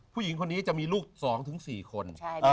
ผู้หญิงจะมีลูก๒ถึง๔คน